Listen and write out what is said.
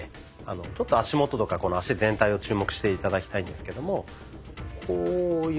ちょっと足元とか脚全体を注目して頂きたいんですけどもこういう。